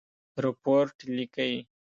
رپوټ لیکئ؟